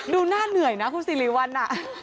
ดูหน้าเหนื่อยนะคุณสิริวัลน่ะ